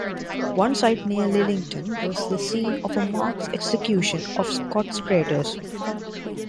One site near Lillington was the scene of a mass execution of Scots Traitors.